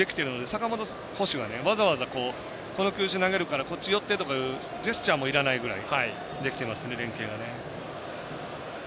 坂本捕手が、わざわざこの球種投げるからこっち寄ってというジェスチャーもいらないくらいできてます連係がね。